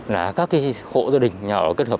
là các hộ gia đình nhà ở kết hợp